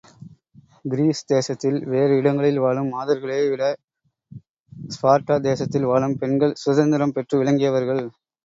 Greece தேசத்தில் வேறு இடங்களில் வாழும் மாதர்களே விட ஸ்பார்ட்டா தேசத்தில் வாழும் பெண்கள் சுதந்திரம் பெற்று விளங்கியவர்கள்.